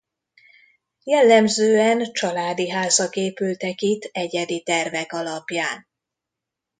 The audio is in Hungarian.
Jellemzően családi házak épültek itt egyedi tervek alapján.